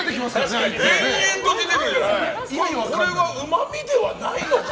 これはうまみではないのか？